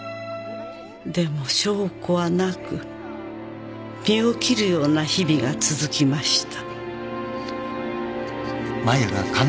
「でも証拠はなく身を切るような日々が続きました」